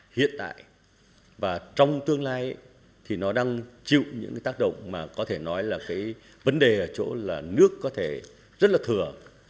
hiện tại và trong tương lai thì nó đang chịu những cái tác động mà có thể nói là cái vấn đề ở chỗ là nước có thể rất là thừa